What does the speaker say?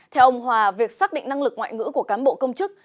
theo ông hòa việc xác định năng lực ngoại ngữ của cán bộ công chức